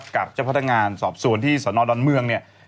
กับเจ้าพัฒนางานสอบส่วนที่สนดอนเมือง